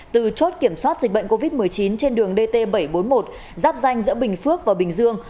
từ chốt kiểm soát dịch bệnh covid một mươi chín trên đường dt bảy trăm bốn mươi một giáp danh giữa bình phước và bình dương